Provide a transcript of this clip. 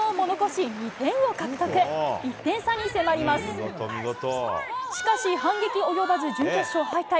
しかし反撃及ばず、準決勝敗退。